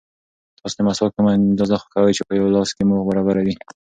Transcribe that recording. تاسو د مسواک کومه اندازه خوښوئ چې په لاس کې مو برابر وي؟